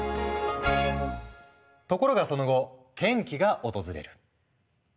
ところがその後転機が訪れる。